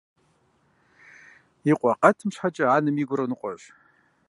И къуэ къэтым щхьэкӀэ анэм и гур ныкъуэщ.